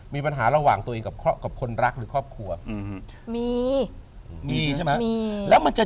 มีปัญหาระหว่างตัวเองกับคนรักหรือครอบครัว